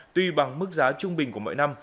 tuy bằng mức giá trung bình của mỗi năm